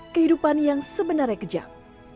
kehidupan yang sebenarnya kejam